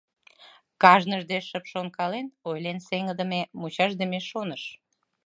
Кажныжде шып шонкален - ойлен сеҥыдыме, мучашдыме шоныш...